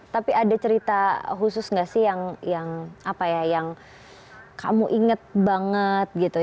tapi ada cerita khusus nggak sih yang apa ya yang kamu inget banget gitu ya